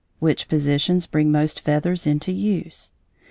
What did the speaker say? Which positions bring most feathers into use?